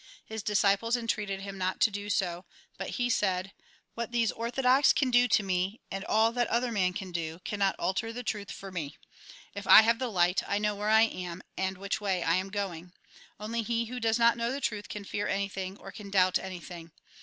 His disciples entreated him not to do so ; but he 208 A RECAPITULATION 207 said :" What these orthodox can do to me, and all that other men can do, cannot alter the truth for me. If I have the light, I know where I am, and which way I am going. Only he who does not know the truth can fear anything, or can doubt anything.